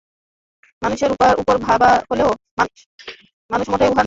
মানুষকে উদার ভাবা হলেও মানুষ মোটেই উদার নয়।